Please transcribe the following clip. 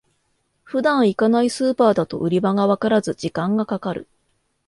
普段行かないスーパーだと売り場がわからず時間がかかる